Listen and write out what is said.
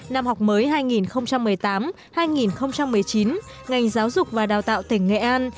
năm học mới hai nghìn một mươi tám hai nghìn một mươi chín ngành giáo dục và đào tạo tỉnh nghệ an